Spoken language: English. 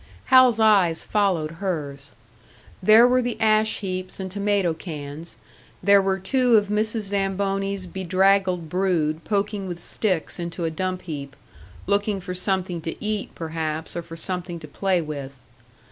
Hal's eyes followed hers. There were the ash heaps and tomato cans, there were two of Mrs. Zamboni's bedraggled brood, poking with sticks into a dump heap looking for something to eat, perhaps, or for something to play with.